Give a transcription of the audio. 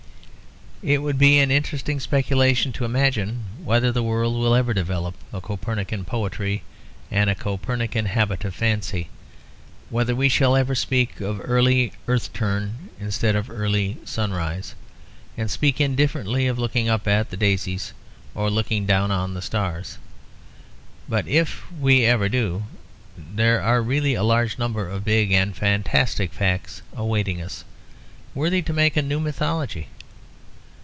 It would be an interesting speculation to imagine whether the world will ever develop a Copernican poetry and a Copernican habit of fancy; whether we shall ever speak of 'early earth turn' instead of 'early sunrise,' and speak indifferently of looking up at the daisies, or looking down on the stars. But if we ever do, there are really a large number of big and fantastic facts awaiting us, worthy to make a new mythology.